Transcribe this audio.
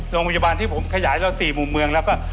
โรงพยาบาลที่ผมขยายเรา๔มุมเมืองแล้วก็